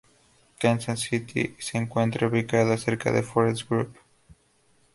Kansas City se encuentra ubicada cerca de Forest Grove.